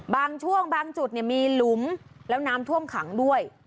บางช่วงบางจุดมีหลุมแล้วน้ำท่วมขังด้วย